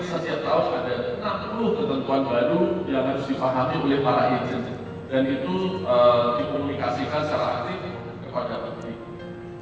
dan itu dipunikasikan secara aktif kepada petugas